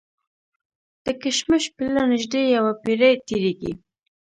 د کشمش پیله نژدې یوه پېړۍ تېرېږي.